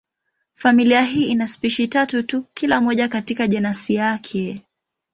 Familia hii ina spishi tatu tu, kila moja katika jenasi yake.